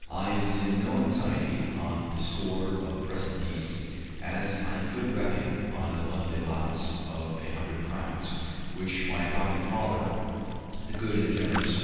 I was in no anxiety on the score of present needs, as I could reckon on a monthly allowance of a hundred crowns, which my adopted father, the good and generous M.